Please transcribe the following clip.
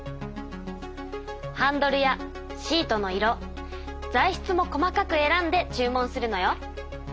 ハンドルやシートの色材しつも細かく選んで注文するのよ。